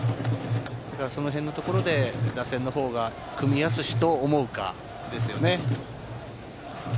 そのへんのところで打線のほうが組みやすしと思うかですよね。